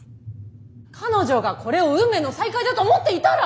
彼女がこれを運命の再会だと思っていたら！？